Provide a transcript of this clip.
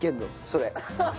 それ。